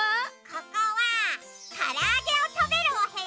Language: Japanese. ここはからあげをたべるおへやよ。